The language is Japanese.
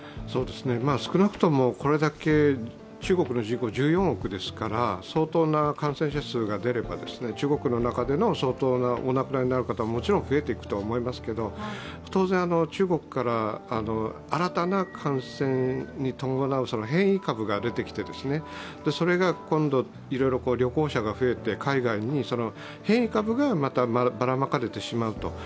少なくともこれだけ中国の人口、１４億ですから相当な感染者数が出れば、中国の中で相当お亡くなりになる方はもちろん増えていくと思いますけど当然、中国から新たな感染に伴う変異株が出てきて、それが今度いろいろ旅行者が増えて海外にその変異株がまたばらまかれてしまうと。